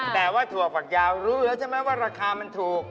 แต่ว่าถั่วฝักยาวรู้แล้วใช่ไหมว่าราคามันถูก